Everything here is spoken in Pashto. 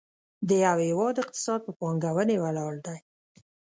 د یو هېواد اقتصاد په پانګونې ولاړ دی.